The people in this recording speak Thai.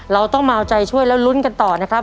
เราต้องมาเอาใจช่วยแล้วลุ้นกันต่อนะครับ